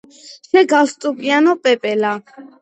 შე გალსტუკიანო პეპელა